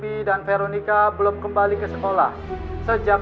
tidak ada siapa di dalam